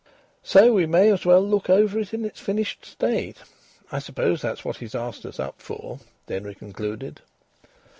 "So we may as well look over it in its finished state. I suppose that's what he asked us up for," Denry concluded.